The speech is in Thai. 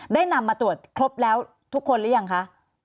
ได้นำมาตรวจครบแล้วทุกคนหรือยังคะ